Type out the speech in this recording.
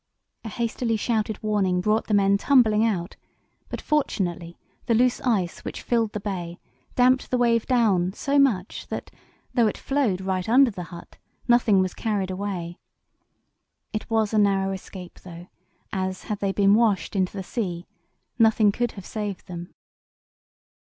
A hastily shouted warning brought the men tumbling out, but fortunately the loose ice which filled the bay damped the wave down so much that, though it flowed right under the hut, nothing was carried away. It was a narrow escape, though, as had they been washed into the sea nothing could have saved them.